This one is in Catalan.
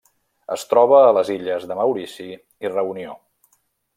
Es troba a les illes de Maurici i Reunió.